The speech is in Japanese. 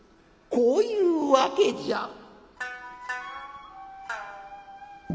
こういうわけじゃ」。